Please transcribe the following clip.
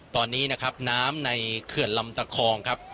ตอนนี้นะครับน้ำในเขื่อนลำตะคองครับ